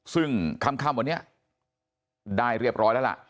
ซึ่งค่ำวันนี้ได้เรียบร้อยแล้วล่ะ